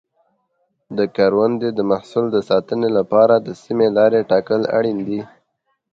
د کروندې د محصول د ساتنې لپاره د سمې لارې ټاکل اړین دي.